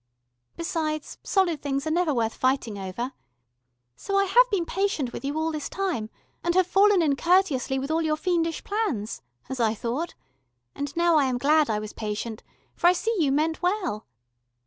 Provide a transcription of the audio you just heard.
Besides solid things are never worth fighting over. So I have been patient with you all this time, and have fallen in courteously with all your fiendish plans as I thought and now I am glad I was patient, for I see you meant well.